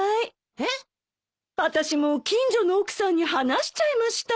えっ？あたしも近所の奥さんに話しちゃいました。